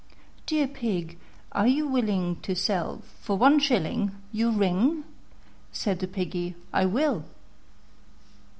III. "Dear Pig, are you willing to sell for one shilling Your ring?" Said the Piggy, "I will."